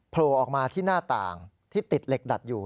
โผล่ออกมาที่หน้าต่างที่ติดเหล็กดัดอยู่